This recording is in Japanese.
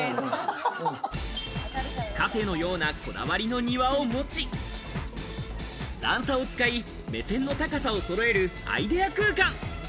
カフェのようなこだわりの庭を持ち、段差を使い、目線の高さを揃えるアイデア空間。